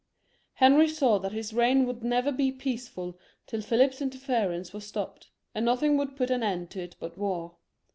Henry saw that his reign would never be peacefnl till Philip's interference was stopped, and nothing would put an end to it bat war.